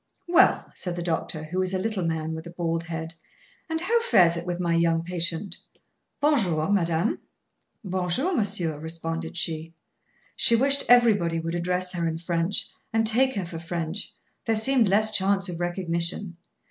"Well," said the doctor, who was a little man with a bald head, "and how fares it with my young patient? Bon jour madame." "Bon jour, monsieur," responded she. She wished everybody would address her in French, and take her for French; there seemed less chance of recognition.